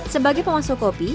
sebagai pemasok kopi